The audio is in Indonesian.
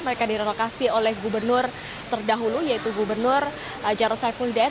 mereka direlokasi oleh gubernur terdahulu yaitu gubernur jaroslaw fuldet